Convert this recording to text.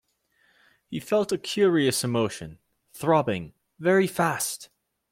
He felt a curious emotion — throbbing — very fast!